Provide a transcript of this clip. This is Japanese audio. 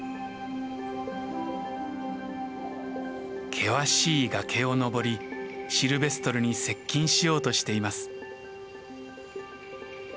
険しい崖を登りシルベストルに接近しようとしています。